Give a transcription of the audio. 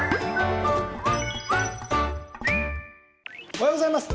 おはようございます。